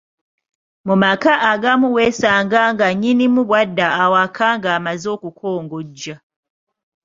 Mu maka agamu weesanga nga nnyinimu bwadda awaka ng'amaze okukongojja